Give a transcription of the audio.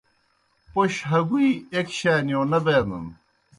پوْش ہگُویئی ایک شانِیؤ نہ بینَن